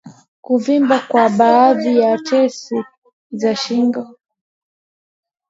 kuvimba kwa baadhi ya tezi za shingo